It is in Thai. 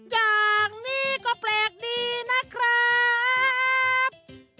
อย่างนี้ก็แปลกดีนะครับ